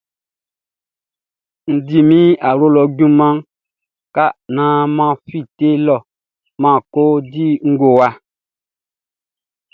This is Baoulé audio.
N di min awlo lɔ junmanʼn ka naan mʼan fite lɔ mʼan ko di ngowa.